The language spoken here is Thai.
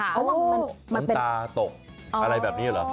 น้ำตาตกอะไรแบบนี้เหรอ